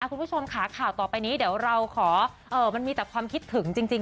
คุณผู้ชมค่ะข่าวต่อไปนี้เดี๋ยวเราขอมันมีแต่ความคิดถึงจริง